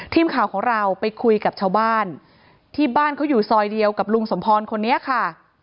ทีมข่าวของเราไปคุยกับชาวบ้านที่บ้านเขาอยู่ซอยเดียวกับลุงสมพรคนนี้ค่ะ